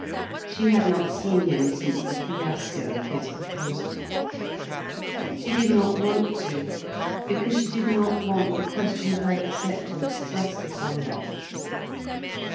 She had not seen him since the fiasco of his proposal. She did not want to, because she did not want the question of her acceptance thrust upon her.